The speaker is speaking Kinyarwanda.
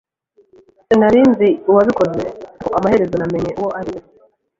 Sinari nzi uwabikoze, ariko amaherezo namenye uwo ari we.